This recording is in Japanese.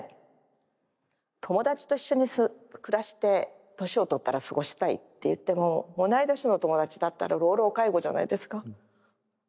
友達と一緒に暮らして年を取ったら過ごしたいっていっても同い年の友達だったら老老介護じゃないですか。